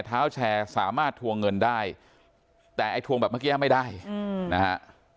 เท้าแชร์สามารถทวงเงินได้แต่ไอ้ทวงแบบเมื่อกี้ไม่ได้นะฮะ